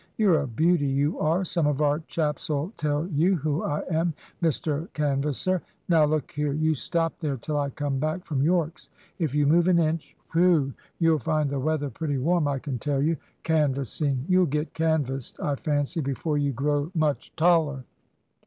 You're a beauty, you are. Some of our chaps'll tell you who I am, Mr Canvasser. Now, look here, you stop there till I come back from Yorke's. If you move an inch whew! you'll find the weather pretty warm, I can tell you. Canvassing? You'll get canvassed, I fancy, before you grow much taller."